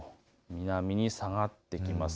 南に下がってきます。